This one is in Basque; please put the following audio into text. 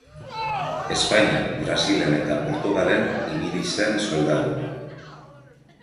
Espainian, Brasilen eta Portugalen ibili zen soldadu.